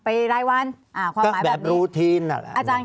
ภารกิจสรรค์ภารกิจสรรค์